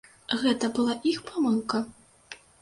Гэта была іх памылка?